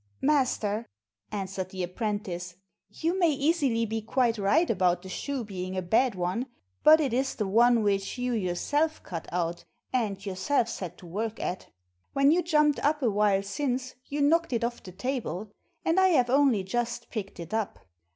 "Master," answered the apprentice, "you may easily be quite right about the shoe being a bad one, but it is the one which you yourself cut out, and yourself set to work at. When you jumped up a while since, you knocked it off the table, and I have only just picked it up.